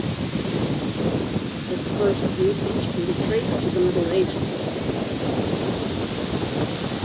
Its first usage can be traced to the Middle Ages.